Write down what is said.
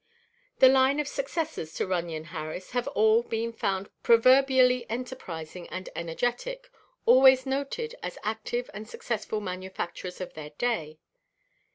The line of successors to Runyon Harris have all been found proverbially enterprising and energetic, always noted as active and successful manufacturers of their day.